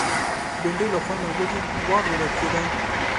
بېنډۍ له خوند او ګټې دواړو ډکه ده